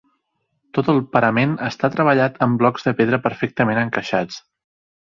Tot el parament està treballat amb blocs de pedra perfectament encaixats.